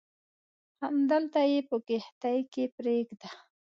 همدلته یې په کښتۍ کې پرېږده.